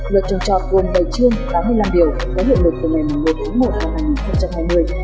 luật chăn chọt vùng bảy chương tám mươi năm điều có hiệu lực từ ngày mùng một tháng một năm hai nghìn hai mươi